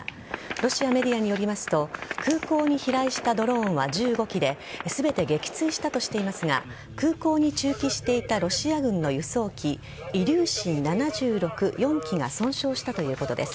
ロシアメディアによりますと空港に飛来したドローンは１５機で全て撃墜したとしていますが空港に駐機していたロシア軍の輸送機イリューシン７６４機が損傷したということです。